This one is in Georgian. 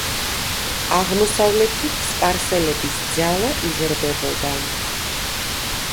აღმოსავლეთით სპარსელების ძალა იზრდებოდა.